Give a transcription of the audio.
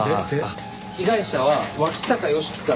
被害者は脇坂芳樹さん